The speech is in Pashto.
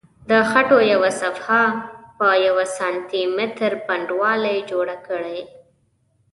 د خټو یوه صفحه په یوه سانتي متر پنډوالي جوړه کړئ.